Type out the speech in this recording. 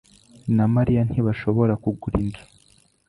na Mariya ntibashobora kugura inzu.